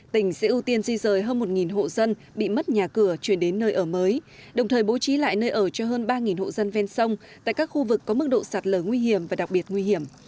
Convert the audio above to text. tỉnh sẽ ưu tiên di rời hơn một hộ dân bị mất nhà cửa chuyển đến nơi ở mới đồng thời bố trí lại nơi ở cho hơn ba hộ dân ven sông tại các khu vực có mức độ sạt lở nguy hiểm và đặc biệt nguy hiểm